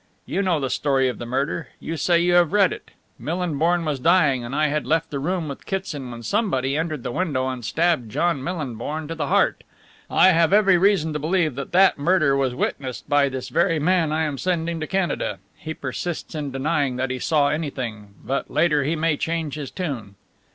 "You know the story of the murder: you say you have read it. Millinborn was dying and I had left the room with Kitson when somebody entered the window and stabbed John Millinborn to the heart. I have every reason to believe that that murder was witnessed by this very man I am sending to Canada. He persists in denying that he saw anything, but later he may change his tune."